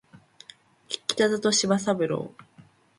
北里柴三郎